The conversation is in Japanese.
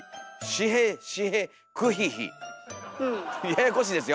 ややこしいですよ！